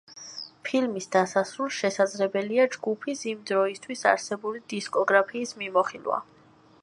ფილმის დასასრულს შესაძლებელია ჯგუფის იმ დროისთვის არსებული დისკოგრაფიის მიმოხილვა.